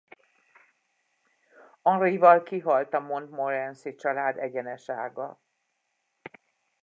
Henrival kihalt a Montmorency-család egyenes ága.